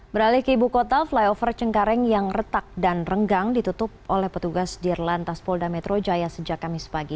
beralih ke ibu kota flyover cengkareng yang retak dan renggang ditutup oleh petugas dirlantas polda metro jaya sejak kamis pagi